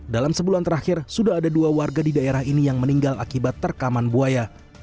dalam sebulan terakhir sudah ada dua warga di daerah ini yang meninggal akibat terkaman buaya